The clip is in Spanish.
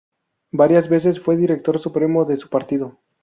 Varias veces fue Director Supremo de su partido.